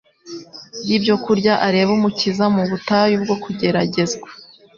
ry’ibyokurya arebe Umukiza mu butayu bwo kugeragezwa.